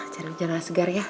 jalan jalan segar ya